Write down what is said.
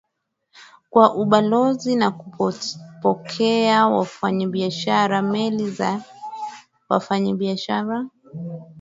kwa ubalozi na kupokea wafanyabiashara Meli za wafanyabiashara